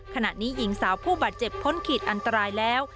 ขณะนี้หญิงสาวผู้บาดเจ็บพ้นขีดอันตรายแล้ว